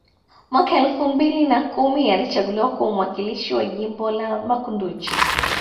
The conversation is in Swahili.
Mwaka elfu mbili na kumi alichaguliwa kuwa mwakilishi wa jimbo la Makunduchi